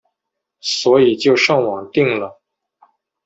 所以就上网订了